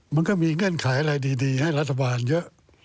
มันก็มีเงื่อนไขอะไรดีให้รัฐบาลเยอะ